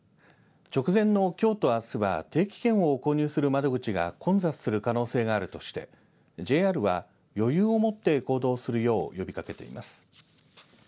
直前のきょうとあすは定期券を購入する窓口が混雑する可能性があるとしてＪＲは、余裕をもって行動するよう呼びかけています。